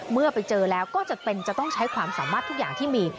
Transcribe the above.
เมื่อไปเจอแล้วก็จำเป็นจะต้องใช้ความสามารถทุกอย่างที่มี